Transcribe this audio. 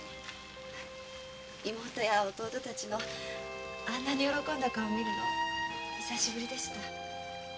妹や弟たちのあんなに喜んだ顔見るの久しぶりでした。